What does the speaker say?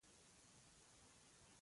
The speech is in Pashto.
ده هم د سردارۍ په نامه خپل تندی هوار کړ.